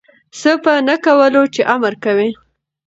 څه په نه کولو چی امر کوی